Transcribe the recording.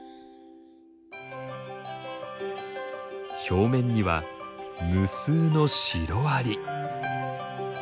表面には無数のシロアリ。